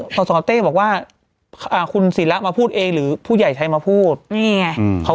ตอนสองน้ำเต้บอกว่าอ่าคุณศิละมาพูดเองหรือผู้ใหญ่ไทยมาพูดนี่ไง